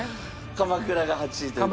鎌倉が８位という事で。